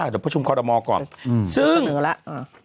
ที่เฉินเสนอแล้ว